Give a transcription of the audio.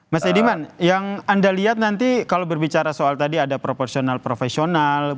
mas ediman yang anda lihat nanti kalau berbicara soal tadi ada proporsional profesional